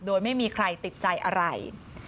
โดยไม่มีใครติดใจอะไร